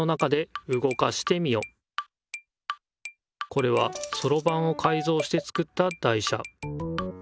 これはそろばんをかいぞうして作った台車。